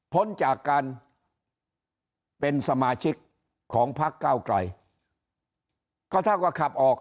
พ้นจากการเป็นสมาชิกของพักเก้าไกลก็เท่ากับขับออก